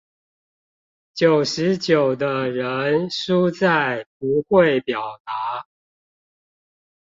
九十九的人輸在不會表達